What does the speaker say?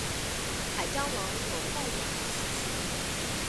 海蟑螂有抱卵的习性。